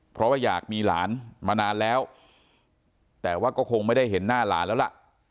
เพราะว่าอยากมีหลานมานานแล้วแต่ว่าก็คงไม่ได้เห็นหน้าหลานแล้วล่ะ